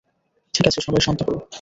ঠিক আছে, সবাই শান্ত হও।